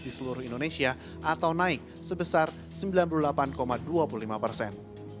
di seluruh indonesia atau naik sebesar sembilan puluh delapan dua puluh lima persen